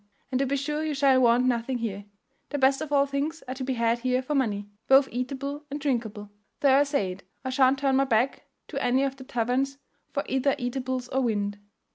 And to be sure you shall want nothing here. The best of all things are to be had here for money, both eatable and drinkable: though I say it, I shan't turn my back to any of the taverns for either eatables or wind.